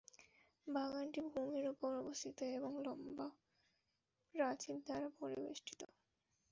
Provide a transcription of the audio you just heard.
বাগানটি ভূমির ওপর অবস্থিত এবং লম্বা প্রাচীর দ্বারা পরিবেষ্টিত।